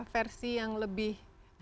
versi yang lebih